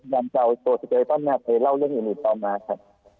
ยังจะเอาตัวสิเกรตอนนี้เล่าเรื่องอื่นอีกต่อมาค่ะ